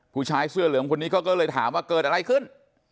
ผู้ชายเสื้อเหลืองคนนี้ก็เลยถามว่าเกิดอะไรขึ้น